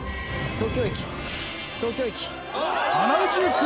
東京駅！